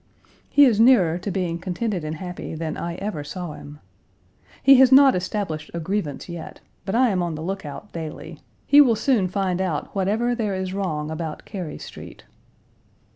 He is nearer to being contented and happy than I ever saw him. He has not established a grievance yet, but I am on the lookout daily. He will soon find out whatever there is wrong about Cary Street.